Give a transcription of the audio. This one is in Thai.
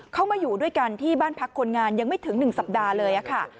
มาอยู่ด้วยกันที่บ้านพักคนงานยังไม่ถึง๑สัปดาห์เลยค่ะ